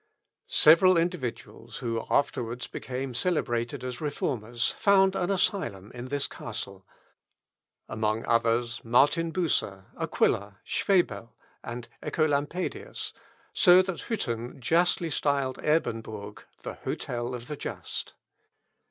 Several individuals, who afterwards became celebrated as Reformers, found an asylum in this castle; among others, Martin Bucer, Aquila, Schwebel, and Œcolampadius, so that Hütten justly styled Ebernbourg "the hotel of the just."